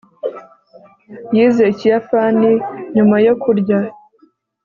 yize ikiyapani nyuma yo kurya